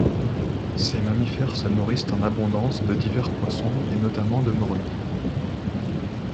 Ces mammifères se nourrissent en abondance de divers poissons et notamment de morues.